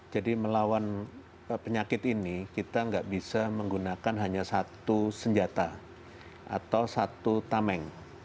jadi melawan penyakit ini kita tidak bisa menggunakan hanya satu senjata atau satu tameng